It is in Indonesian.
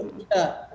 hanya sopan gitu ya